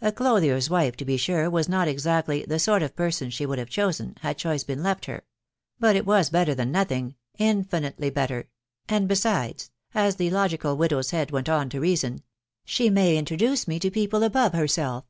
A clothier's wife, to be sure, was not exactly the sort of person she would have chosen, had choice been left her; but it was better than nothing, infinitely better ; "and besides/' as the logical widow's head went on to reason, "she may introduce me to people above herself.